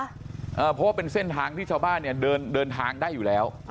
เพราะว่าเป็นเส้นทางที่ชาวบ้านเนี่ยเดินทางได้อยู่แล้ว